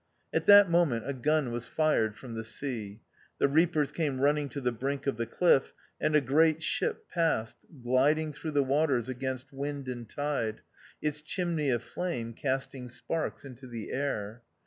At that moment a gun was fired from the sea ; the reapers came running to the brink of the cliff ; and a great ship passed, gliding through the waters against wind and tide, its chimney of flame casting sparks into the air.